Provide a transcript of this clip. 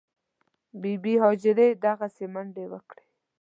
بي بي هاجرې دغسې منډې وکړې.